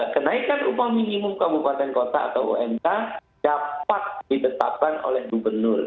kenaikan upah minimum kabupaten kota atau umk dapat ditetapkan oleh gubernur